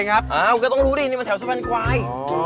ก็ต้องรู้ดินี่มันแถวสะพานควาย